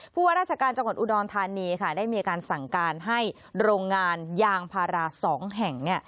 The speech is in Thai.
ว่าราชการจังหวัดอุดรธานีได้มีการสั่งการให้โรงงานยางพารา๒แห่ง